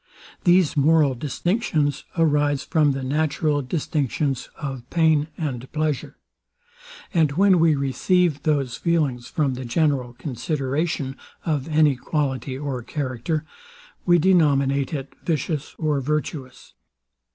These moral distinctions arise from the natural distinctions of pain and pleasure; and when we receive those feelings from the general consideration of any quality or character, we denominate it vicious or virtuous.